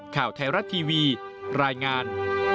ข่าวไทยรัฐทีวีรายงาน